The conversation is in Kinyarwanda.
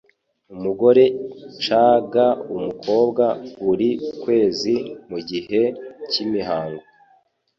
Umugore cg umukobwa buri kwezi mu gihe cy'imihango